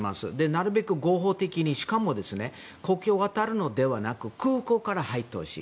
なるべく合法的にしかも国境を渡るのではなく空港から入ってほしい。